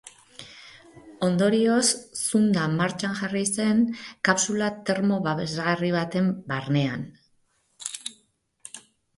Ondorioz, zunda martxan jarri zen kapsula termo-babesgarri bate barnean.